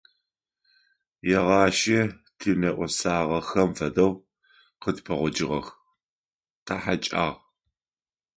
Егъашӏи тинэӏосагъэхэм фэдэу къытпэгъокӏыгъэх, тахьэкӏагъ.